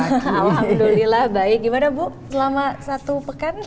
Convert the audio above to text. alhamdulillah baik gimana bu selama satu pekan